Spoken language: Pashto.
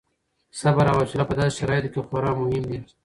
صبر او حوصله په داسې شرایطو کې خورا مهم دي.